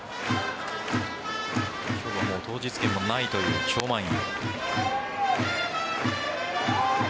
今日は当日券もないという超満員。